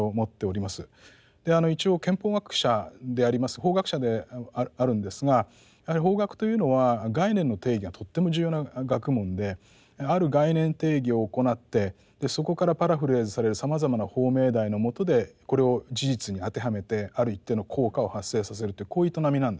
で一応憲法学者であります法学者であるんですがやはり法学というのは概念の定義がとっても重要な学問である概念定義を行ってそこからパラフレーズされるさまざまな法命題の下でこれを事実に当てはめてある一定の効果を発生させるというこういう営みなんですね。